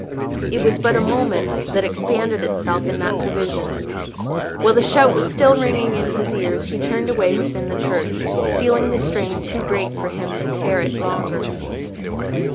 It was but a moment that expanded itself in that prevision. While the shout was still ringing in his ears he turned away within the church, feeling the strain too great for him to bear it longer.